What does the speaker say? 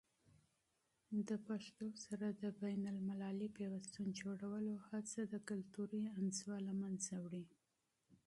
د پښتو سره د بینالمللي پیوستون جوړولو هڅه کلتوري انزوا له منځه وړي.